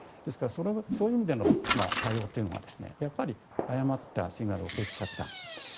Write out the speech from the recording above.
そういう意味での対応というのはやっぱり誤ったシグナルを送っちゃった。